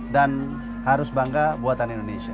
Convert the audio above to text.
dan harus bangga buatan indonesia